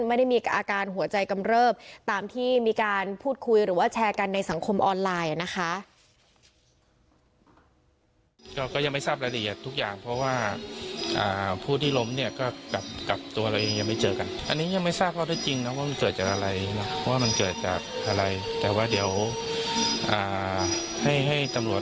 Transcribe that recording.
ไม่ได้มีอาการหัวใจกำเริบตามที่มีการพูดคุยหรือว่าแชร์กันในสังคมออนไลน์นะคะ